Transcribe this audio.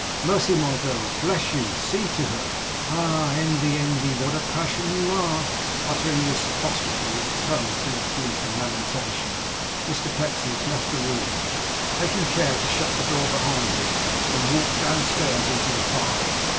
Mercy, my girl, bless you! See to her. Ah, envy, envy, what a passion you are!' Uttering this apostrophe in a tone full of grief and lamentation, Mr Pecksniff left the room (taking care to shut the door behind him), and walked downstairs into the parlour.